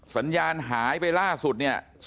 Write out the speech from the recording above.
สัญญาณหายไปล่าสุดเนี่ย